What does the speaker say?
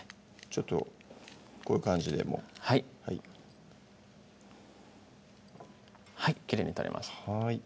ちょっとこういう感じでもうはいきれいに取れました